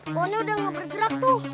pohonnya udah gak bergerak tuh